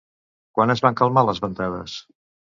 Quan es van calmar les ventades?